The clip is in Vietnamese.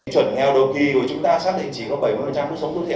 chuyển nghèo đầu kỳ của chúng ta xác định chỉ có